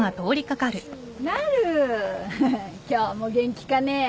なる今日も元気かね。